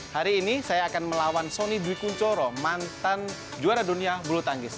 hari ini saya akan melawan sony dwi kunchoro mantan juara dunia bulu tangkis